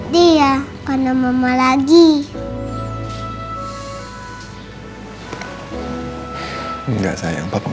tidak ada yang nanya apa apa